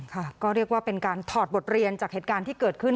ค่ะก็เรียกว่าเป็นการถอดบทเรียนจากเหตุการณ์ที่เกิดขึ้น